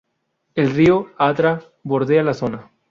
El río Adra bordea la zona.